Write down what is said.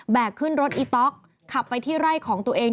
ขึ้นรถอีต๊อกขับไปที่ไร่ของตัวเอง